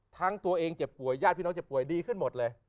ตัวเองเจ็บป่วยญาติพี่น้องเจ็บป่วยดีขึ้นหมดเลย